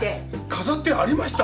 飾ってありました？